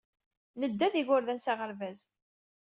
Nedda ed yigerdan s aɣerbaz.